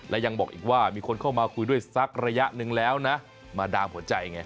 และยังบอกอีกว่ามีคนเข้ามาคุยด้วยสักระยะหนึ่งแล้วนะมาดามหัวใจไง